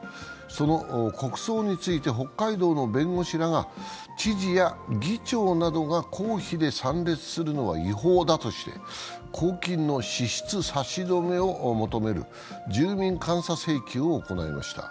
その国葬について北海道の弁護士らが知事や議長などが公費で参列するのは違法だとして公金の支出差し止めを求める住民監査請求を行いました。